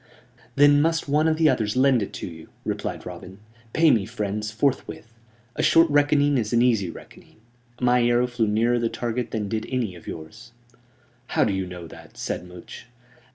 "Then must one of the others lend it to you," replied Robin. "Pay me, friends, forthwith. A short reckoning is an easy reckoning. My arrow flew nearer the target than did any of yours." "How do you know that?" said Much.